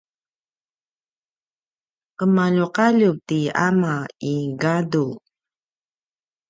qemaljuqaljup ti ama i gadu